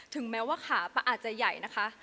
แม้ว่าขาป้าอาจจะใหญ่นะคะ